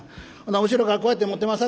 後ろからこうやって持ってます